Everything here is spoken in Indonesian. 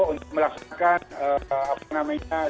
untuk melaksanakan apa namanya